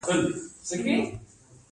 د جنازې پورته کول فرض کفایي دی.